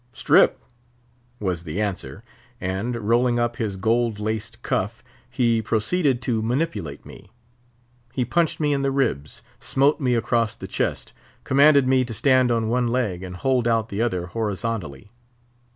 "Strip!" was the answer, and, rolling up his gold laced cuff, he proceeded to manipulate me. He punched me in the ribs, smote me across the chest, commanded me to stand on one leg and hold out the other horizontally.